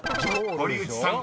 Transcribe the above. ［堀内さん